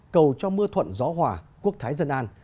cầu cho mưa thuận gió hòa quốc thái dân an